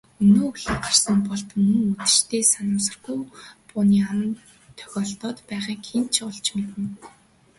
Өнөө өглөө гарсан Болд мөн үдэштээ санамсаргүй бууны аманд тохиолдоод байгааг хэн олж мэднэ.